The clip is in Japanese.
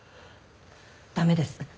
駄目です。